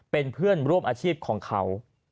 เป็นเพื่อนร่วมอาชีพของเขา